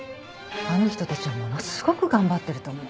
あの人たちはものすごく頑張ってると思う。